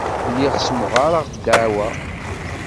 Lliɣ ssemɣareɣ ddeɛwa.